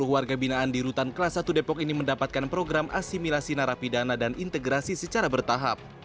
sepuluh warga binaan di rutan kelas satu depok ini mendapatkan program asimilasi narapidana dan integrasi secara bertahap